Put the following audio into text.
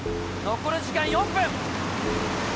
残り時間４分。